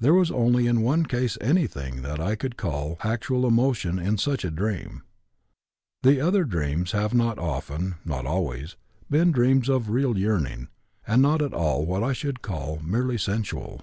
There was only in one case anything that I could call actual emotion in such a dream. The other dreams have often (not always) been dreams of real yearning, and not at all what I should call merely sensual.